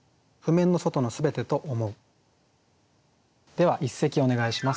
では一席お願いします。